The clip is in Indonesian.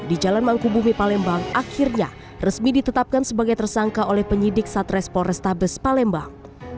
di jalan mangkubumi palembang akhirnya resmi ditetapkan sebagai tersangka oleh penyidik satres polrestabes palembang